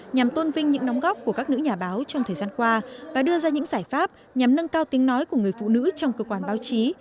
nhằm tôn vinh những đóng góp của các nữ nhà báo trong thời gian qua và đưa ra những giải pháp nhằm nâng cao tiếng nói của người phụ nữ trong cơ quan báo chí